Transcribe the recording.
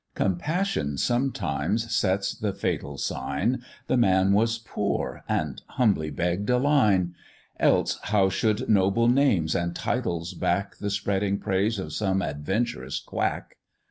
Compassion sometimes sets the fatal sign, The man was poor, and humbly begg'd a line; Else how should noble names and titles back The spreading praise of some advent'rous quack?